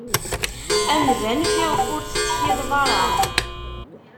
Amdan fiɣef ur tettkilleḍ ara.